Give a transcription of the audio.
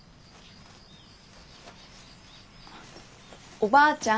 おばあちゃん。